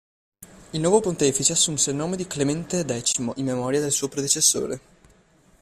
Il nuovo pontefice assunse il nome di Clemente X, in memoria del suo predecessore.